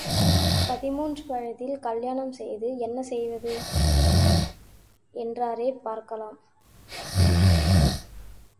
பதிமூன்று வயதில் கல்யாணம் செய்து என்ன செய்வது? என்றாரே பார்க்கலாம்.